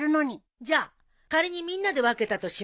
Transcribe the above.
じゃあ仮にみんなで分けたとしましょう。